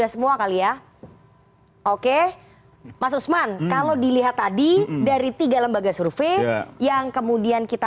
semua kali ya oke mas usman kalau dilihat tadi dari tiga lembaga survei yang kemudian kita